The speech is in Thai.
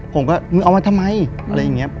ผมก็มึงเอามาทำไมอะไรอย่างนี้